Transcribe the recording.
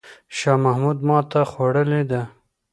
شاه محمود ماته خوړلې ده.